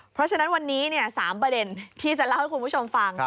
เพราะฉะนั้นวันนี้๓ประเด็นที่จะเล่าให้คุณผู้ชมฟัง